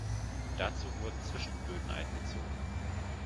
Dazu wurden Zwischenböden eingezogen.